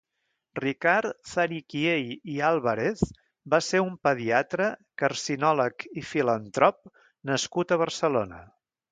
Ricard Zariquiey i Álvarez va ser un pediatre, carcinòleg i filantrop nascut a Barcelona.